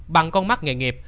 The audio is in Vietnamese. bằng con mắt nghề nghiệp